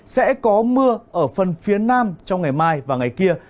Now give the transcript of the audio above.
sẽ có mưa ở phần phía nam trong ngày mai và ngày kia